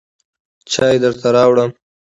چای درته راوړم.